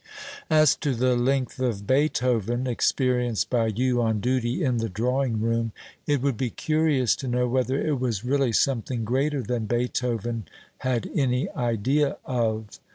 As to the length of Beethoven, experienced by you on duty in the drawing room, it would be curious to know whether it was really something greater than Beethoven had any idea of.